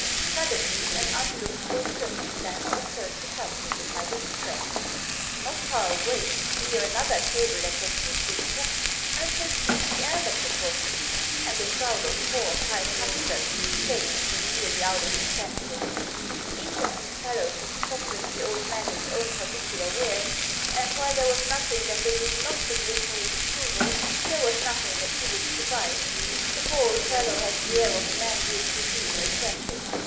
Suddenly an unlooked for circumstance occurred to help me in my distress. Not far away, near another table that was heaped with books, I perceived the elder Pokrovski, and a crowd of four or five hucksters plaguing him nearly out of his senses. Each of these fellows was proffering the old man his own particular wares; and while there was nothing that they did not submit for his approval, there was nothing that he wished to buy. The poor old fellow had the air of a man who is receiving a thrashing.